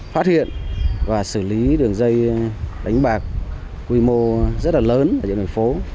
phát hiện và xử lý đường dây đánh bạc quy mô rất là lớn ở những nơi phố